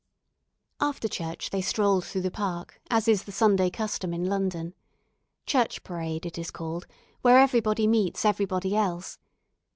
After church they strolled through the park, as is the Sunday custom in London. "Church Parade" it is called; where everybody meets everybody else.